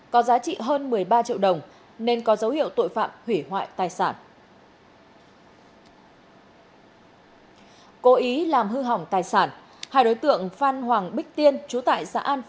có giá trị hơn một mươi ba triệu đồng nên có dấu hiệu tội phạm hủy hoại tài sản